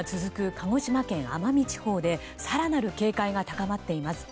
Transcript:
鹿児島県奄美地方で更なる警戒が高まっています。